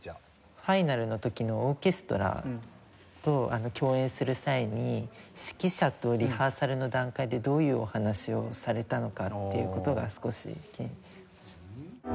ファイナルの時のオーケストラと共演する際に指揮者とリハーサルの段階でどういうお話をされたのかっていう事が少し気になります。